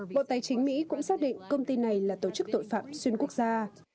bộ tài chính mỹ cũng xác định công ty này là tổ chức tội phạm xuyên quốc gia